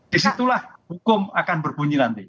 disitulah hukum akan berbunyi nanti